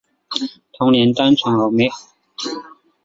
童年单纯而美好